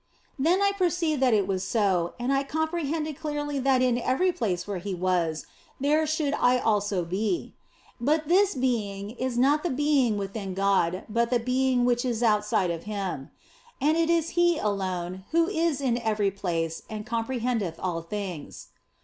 Then I perceived that it was so, and I comprehended clearly that in every place where He was, there should I be also. But this being is not the being within God, but the being which is outside of Him. And it is He alone who is in every place and comprehendeth all things.